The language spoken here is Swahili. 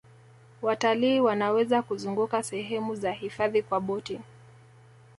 watalii Wanaweza kuzunguka sehemu za hifadhi kwa boti